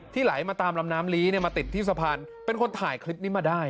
ไหลมาตามลำน้ำลีเนี่ยมาติดที่สะพานเป็นคนถ่ายคลิปนี้มาได้